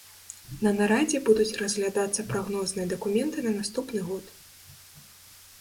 На нарадзе будуць разглядацца прагнозныя дакументы на наступны год.